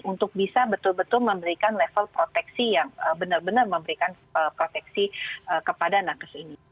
untuk bisa betul betul memberikan level proteksi yang benar benar memberikan proteksi kepada nakes ini